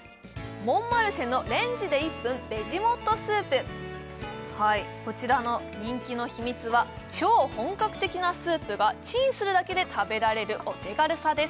モンマルシェのレンジで１分ベジＭＯＴＴＯスープこちらの人気の秘密は超本格的なスープがチンするだけで食べられるお手軽さです